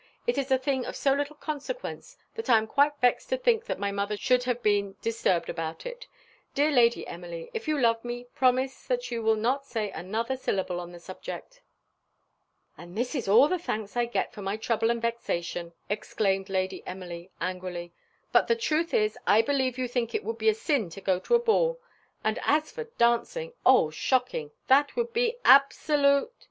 It is a thing of so little consequence, that I am quite vexed to think that my mother should have been disturbed about it. Dear Lady Emily, if you love me, promise that you will not say another syllable on the subject." "And this is all the thanks I get for my trouble and vexation," exclaimed Lady Emily, angrily; "but the truth is, I believe you think it would be a sin to go to a ball; and as for dancing oh, shocking! That would be absolute